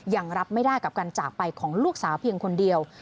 ยังรับไม่ได้กับการจากไปของลูกสาวเพียงคนเดียว